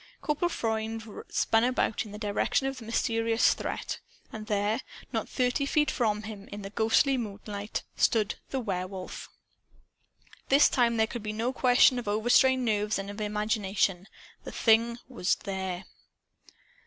Corporal Freund spun about, in the direction of the mysterious threat. And there, not thirty feet from him, in the ghostly moonlight, stood the Werewolf! This time there could be no question of overstrained nerves and of imagination. The Thing was THERE!